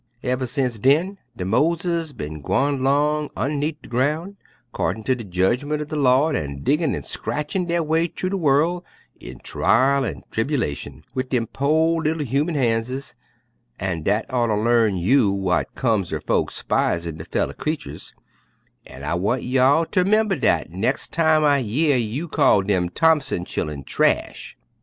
Uver sence den de moleses bin gwine 'long un'need de groun', 'cordin ter de jedgmen' er de Lawd, an' diggin' an' scratchin' der way thu de worl', in trial an' tribilashun, wid dem po' li'l human han'ses. An' dat orter l'arn you w'at comes er folks 'spisin' der feller creeturs, an' I want y'all ter 'member dat nex' time I year you call dem Thompson chillen 'trash.'"